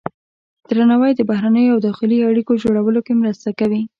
درناوی د بهرنیو او داخلي اړیکو جوړولو کې مرسته کوي.